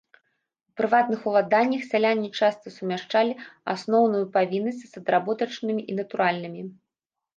У прыватных уладаннях сяляне часта сумяшчалі асноўную павіннасць з адработачнымі і натуральнымі.